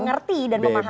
mengerti dan memahami